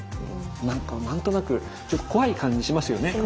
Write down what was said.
なんか何となくちょっと怖い感じしますよね。